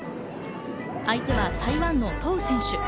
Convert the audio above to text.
相手は台湾のトウ選手。